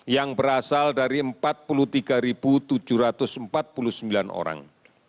yang berasal dari empat puluh tiga tujuh ratus empat puluh sembilan orang